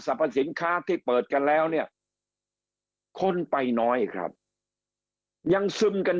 สินค้าที่เปิดกันแล้วเนี่ยคนไปน้อยครับยังซึมกัน